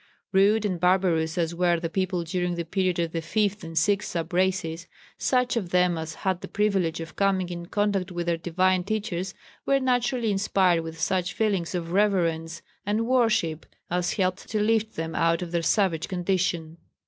Rude and barbarous as were the people during the period of the fifth and sixth sub races, such of them as had the privilege of coming in contact with their divine teachers were naturally inspired with such feelings of reverence and worship as helped to lift them out of their savage condition.